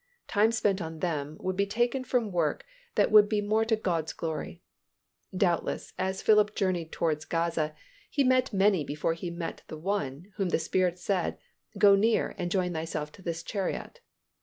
Time spent on them would be taken from work that would be more to God's glory. Doubtless as Philip journeyed towards Gaza, he met many before he met the one of whom the Spirit said, "Go near, and join thyself to this chariot."